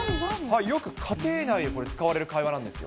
よく家庭内で、これ、使われる会話なんですよ。